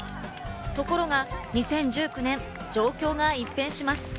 ところが２０１９年、状況が一変します。